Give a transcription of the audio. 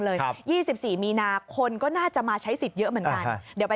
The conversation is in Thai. เลย๒๔มีนาคนก็น่าจะมาใช้สิทธิ์เยอะเหมือนกันเดี๋ยวไป